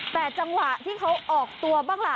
แต่จังหวะที่เขาออกตัวบ้างล่ะ